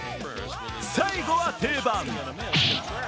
最後は定番。